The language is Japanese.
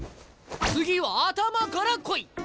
次は頭から来い。